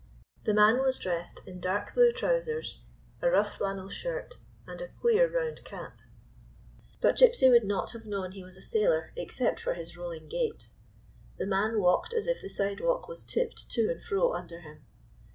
The man Avas dressed in dark blue trousers, a rough flannel shirt, and a queer 129 GYPSY, THE TALKING DOG round cap; but Gypsy would not Lave known lie was a sailor except for bis rolling gait. The man walked as if the sidewalk was tipped to and fro under him.